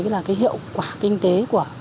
cái hiệu quả kinh tế của